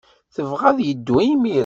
Tebɣa ad yeddu imir-a.